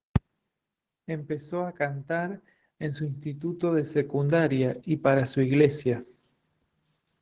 Empezó a cantar en su instituto de secundaria y para su iglesia.